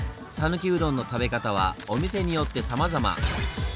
さぬきうどんの食べ方はお店によってさまざま。